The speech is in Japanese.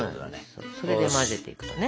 それで混ぜていくとね。